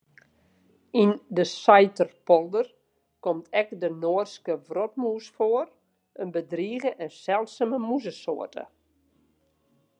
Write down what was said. Yn de Saiterpolder komt ek de Noardske wrotmûs foar, in bedrige en seldsume mûzesoarte.